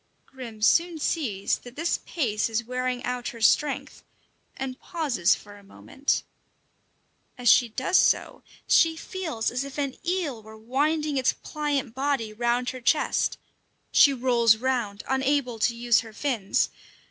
Grim soon sees that this pace is wearing out her strength, and pauses for a moment. As she does so, she feels as if an eel were winding its pliant body round her chest. She rolls round, unable to use her fins.